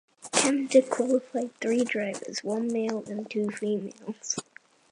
Canada qualified three divers (one male and two females).